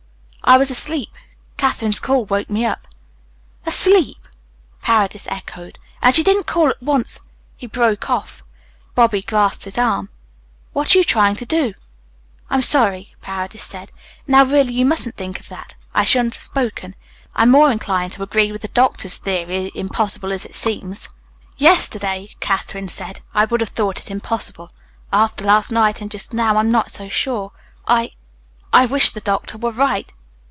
"I was asleep. Katherine's call woke me up." "Asleep!" Paredes echoed. "And she didn't call at once " He broke off. Bobby grasped his arm. "What are you trying to do?" "I'm sorry," Paredes said. "Now, really, you mustn't think of that. I shouldn't have spoken. I'm more inclined to agree with the doctor's theory, impossible as it seems." "Yesterday," Katherine said, "I would have thought it impossible. After last night and just now I'm not so sure. I I wish the doctor were right.